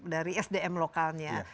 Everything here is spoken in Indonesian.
dari sdm lokalnya